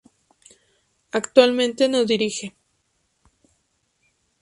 Actualmente no dirige.